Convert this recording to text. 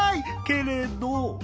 けれど。